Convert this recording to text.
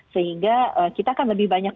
sehingga kita akan lebih banyak